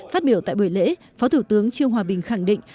phát biểu tại buổi lễ phó thủ tướng trương hòa bình khẳng định